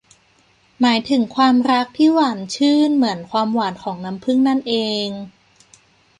หมายถึงความรักที่หวานชื่นเหมือนความหวานของน้ำผึ้งนั่นเอง